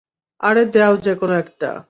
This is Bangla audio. আরে দেও যেকোনো একটা।